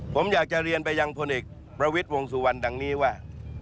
ผมอยากจะเรียนไปยังพลเอกประวิทย์วงสุวรรณดังนี้ว่า